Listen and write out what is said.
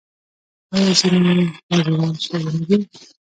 آیا ځینې یې وزیران شوي نه دي؟